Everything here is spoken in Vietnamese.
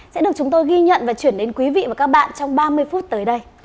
sẽ được chúng tôi ghi nhận và chuyển đến quý vị và các bạn trong ba mươi phút tới đây